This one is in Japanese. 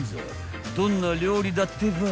どんな料理だってば］